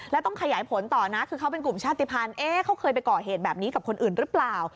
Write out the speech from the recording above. แล้วต้องขยายผลต่อนะคือเขาเป็นกลุ่มชาติภัณฑ์เขาเคยไปก่อเหตุแบบนี้กับคนอื่นหรือเปล่า